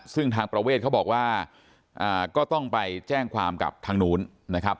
ซึ่งทางประเวทเขาบอกว่าก็ต้องไปแจ้งความกับทางนู้นนะครับ